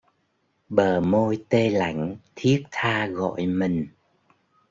Bờ môi tê lạnh thiết tha gọi mình